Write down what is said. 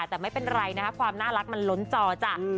แต่ไม่เป็นไรนะคะความน่ารักมันล้นจอจ้ะ